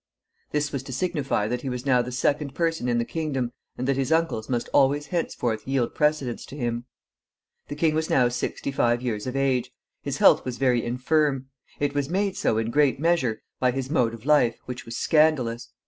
This was to signify that he was now the second person in the kingdom, and that his uncles must always henceforth yield precedence to him. The king was now sixty five years of age. His health was very infirm. It was made so, in great measure, by his mode of life, which was scandalous.